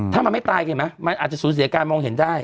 ถ้ามันไม่ตายเห็นไหมมันอาจจะสูญเสียการมองเห็นได้